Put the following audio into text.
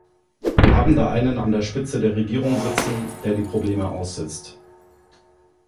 Wir haben da einen an der Spitze der Regierung sitzen, der die Probleme aussitzt.